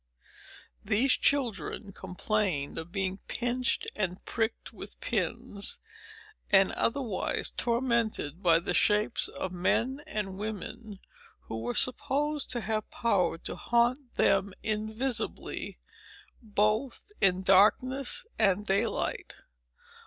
These children complained of being pinched, and pricked with pins, and otherwise tormented by the shapes of men and women, who were supposed to have power to haunt them invisibly, both in darkness and daylight.